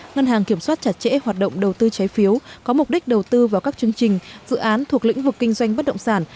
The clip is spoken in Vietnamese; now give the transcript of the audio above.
ngân hàng kiểm soát chặt chẽ hoạt động đầu tư trái phiếu có mục đích đầu tư vào các chương trình dự án thuộc lĩnh vực kinh doanh bất động sản